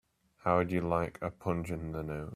How would you like a punch in the nose?